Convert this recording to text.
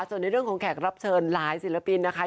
ส่วนในเรื่องของแขกรับเชิญหลายศิลปินนะคะ